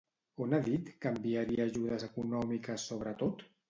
On ha dit que enviaria ajudes econòmiques sobretot?